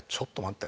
って。